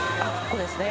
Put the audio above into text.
これですね